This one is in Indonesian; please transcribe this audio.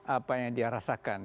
apa yang dia rasakan